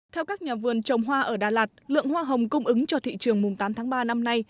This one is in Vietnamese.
theo các nhà vườn trồng hoa ở đà lạt lượng hoa hồng cung ứng cho thị trường mùng tám tháng ba năm nay